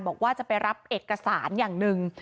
บอกว่าจะไปรับเอกสารอย่างหนึ่ง